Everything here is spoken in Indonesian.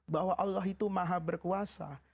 bahwa allah itu maha berkuasa